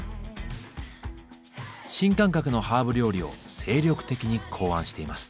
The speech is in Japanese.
新感覚のハーブ料理を精力的に考案しています。